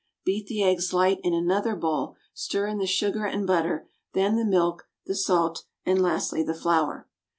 Beat the eggs light in another bowl, stir in the sugar and butter, then the milk, the salt, and lastly the flour.